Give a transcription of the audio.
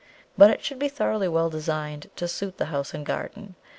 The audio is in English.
But it should be thoroughly well designed to suit the house and garden.